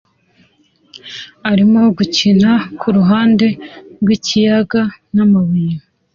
arimo gukina kuruhande rwikiyaga namabuye